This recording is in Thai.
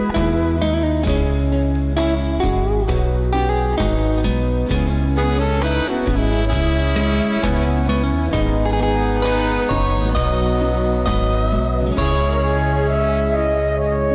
ขอให้โชคดีค่ะ